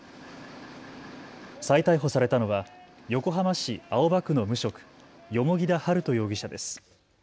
再逮捕されたのは横浜市青葉区の無職、蓬田治都容疑者です。